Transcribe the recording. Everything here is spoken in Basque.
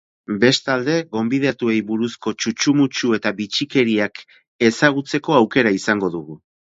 Bestalde, gonbidatuei buruzko txutxu-mutxu eta bitxikeriak ezagutzeko aukera izango dugu.